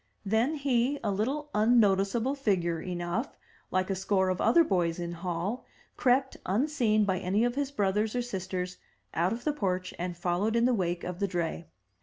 Then he, a little unnoticeable figure enough, like a score of other boys in Hall, crept, unseen by any of his brothers or sisters, out of the porch and followed in the wake of the dray.